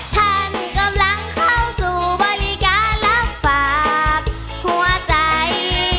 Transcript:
ท่านกำลังเข้าสู่บริการรับฝากหัวใจ